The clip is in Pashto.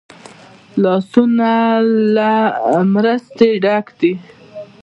لاسونه له مرستې ډک دي